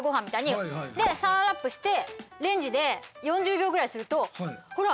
でサランラップしてレンジで４０秒ぐらいするとほら！